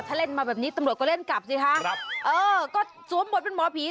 ถ้าเล่นมาแบบนี้ตำรวจก็เล่นกลับสิคะครับเออก็สวมบทเป็นหมอผี